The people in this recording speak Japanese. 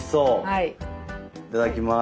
いただきます！